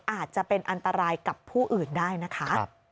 อาจจะเป็นอันตรายกับผู้อื่นได้นะคะ